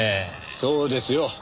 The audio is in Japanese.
そうですよ。